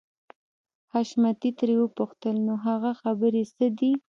حشمتي ترې وپوښتل نو هغه خبرې څه دي.